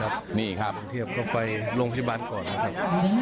พี่เตี๊ยบก็ไปลงที่บ้านก่อนนะครับ